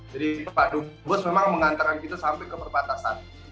jadi pak dubes memang mengantarkan kita sampai ke perbatasan